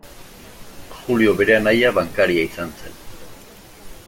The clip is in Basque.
Julio bere anaia bankaria izan zen.